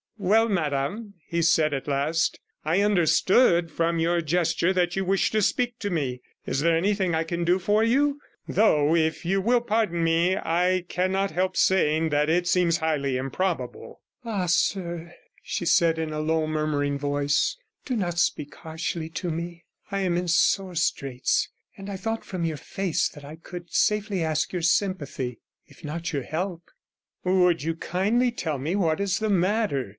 'Well, madam,' he said at last, 'I understood from your gesture that you wished to speak to me. Is there anything I can do for you? Though, if you will pardon me, I cannot help saying that that seems highly improbable.' 'Ah, sir,' she said in a low, murmuring voice, 'do not speak harshly to me. I am in sore straits, and I thought from your face that I could safely ask your sympathy, if not your help.' 'Would you kindly tell me what is the matter?'